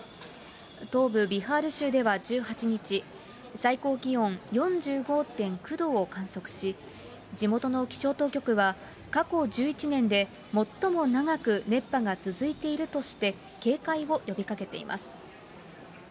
東部ビハール州では１８日、最高気温４５．９度を観測し、地元の気象当局は、過去１１年で最も長く熱波が続いているとして、警戒を呼びかけています。